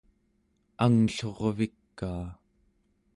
angllurvikaa